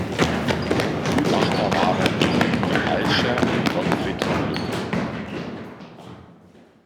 Gutachter waren Ludger Alscher und Gottfried von Lücken.